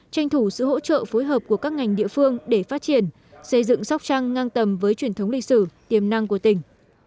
tranh thủ sự hỗ trợ phối hợp của các ngành địa phương để phát triển xây dựng sóc trăng ngang tầm với truyền thống lịch sử tiềm năng của tỉnh